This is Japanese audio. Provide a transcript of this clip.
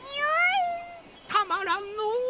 たまらんのう！